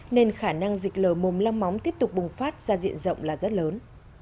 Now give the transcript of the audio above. nên khả năng dịch lờ mồm long móng tiếp tục bùng phát ra diện rộng là rất lớn